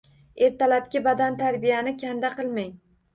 Ertalabki badantarbiyani kanda qilmang.